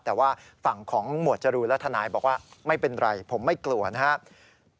แต่ว่าฝั่งของหมวดจรูนและทนายบอกว่าไม่เป็นไรผมไม่กลัวนะครับ